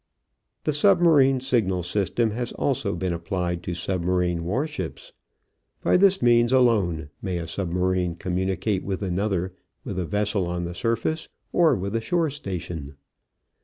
The submarine signal system has also been applied to submarine war ships. By this means alone may a submarine communicate with another, with a vessel on the surface, or with a shore station.